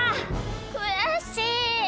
くやしい！